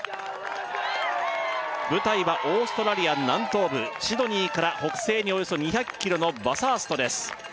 舞台はオーストラリア南東部シドニーから北西におよそ２００ｋｍのバサーストです